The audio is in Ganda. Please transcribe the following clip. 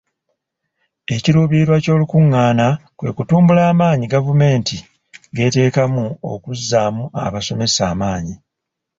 Ekiruubirirwa ky'olukungaana kwe kutumbula amaanyi ga gavumenti geteekamu okuzzaamu abasomesa amaanyi.